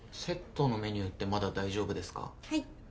セットのメニューってまだ大丈夫ですか？